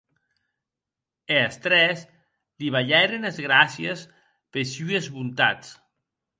E es tres li balhèren es gràcies pes sues bontats.